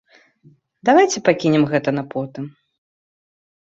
Давайце пакінем гэта на потым.